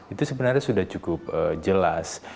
itu sebenarnya sudah cukup jelas